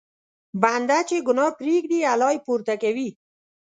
بنده چې ګناه پرېږدي، الله یې پورته کوي.